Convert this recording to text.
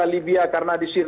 libya karena disirte dia kalah